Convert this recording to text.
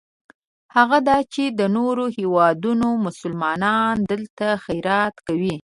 هغه دا چې د نورو هېوادونو مسلمانان دلته خیرات کوي.